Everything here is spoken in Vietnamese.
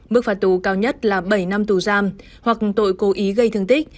mức phạt tù cao nhất là bảy năm tù giam hoặc tội cố ý gây thương tích